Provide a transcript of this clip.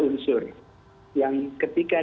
unsur yang ketika